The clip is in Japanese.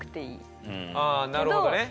ああなるほどね。